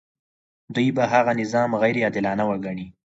دوی به هغه نظام غیر عادلانه وګڼي.